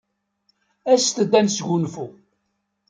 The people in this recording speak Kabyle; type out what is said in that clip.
Aset-d ad nesgunfu.